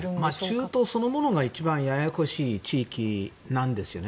中東そのものが相当ややこしい地域なんですね。